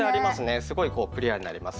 すごいこうクリアになりますよね。